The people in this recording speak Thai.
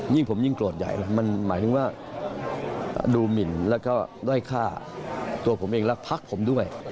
ยิ่งผมยิ่งโกรธใหญ่แล้วมันหมายถึงว่าดูหมินแล้วก็ด้อยฆ่าตัวผมเองรักพักผมด้วย